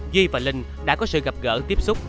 duy và linh đã có sự gặp gỡ tiếp xúc